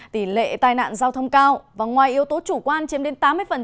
tỷ lệ tai nạn giao thông cao và ngoài yếu tố chủ quan chiếm đến tám mươi